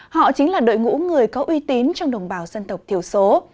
họ chính là đội ngũ người có uy tín trong đồng bào dân tộc thiểu số